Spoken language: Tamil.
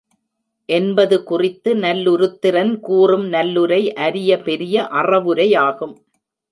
என்பது குறித்து நல்லுருத்திரன் கூறும் நல்லுரை அரிய பெரிய அறவுரையாகும்.